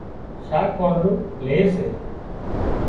شاک پانڙون لي سي